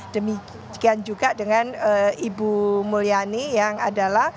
demikian juga dengan ibu mulyani yang adalah